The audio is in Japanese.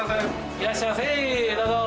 いらっしゃいませ、どうぞ。